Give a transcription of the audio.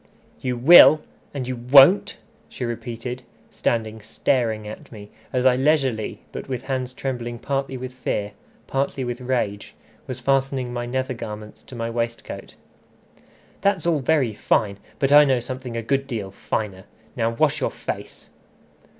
"You will, and you won't!" she repeated, standing staring at me, as I leisurely, but with hands trembling partly with fear, partly with rage, was fastening my nether garments to my waistcoat. "That's all very fine, but I know something a good deal finer. Now wash your face."